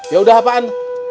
ya udah apaan